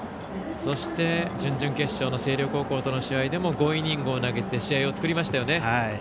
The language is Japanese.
そして、準々決勝の星稜高校との試合でも５イニングを投げて試合を作りましたよね。